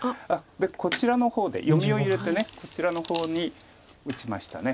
でこちらの方で読みを入れてこちらの方に打ちました。